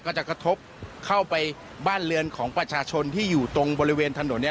ก็จะกระทบเข้าไปบ้านเรือนของประชาชนที่อยู่ตรงบริเวณถนนเนี่ย